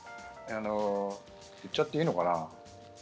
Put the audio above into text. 言っちゃっていいのかな。